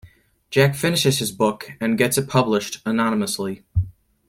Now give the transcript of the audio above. Jack finishes his book and gets it published anonymously.